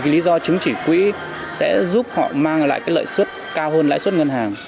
lý do chứng chỉ quỹ sẽ giúp họ mang lại lợi suất cao hơn lãi suất ngân hàng